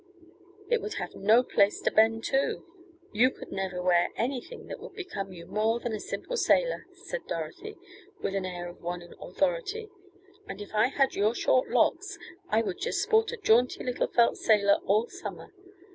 It would have no place to bend to." "You could never wear anything that would become you more than a simple sailor," said Dorothy, with the air of one in authority, "and if I had your short locks I would just sport a jaunty little felt sailor all summer.